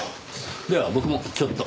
では僕もちょっと。